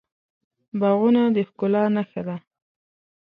باغونه د ښکلا نښه ده.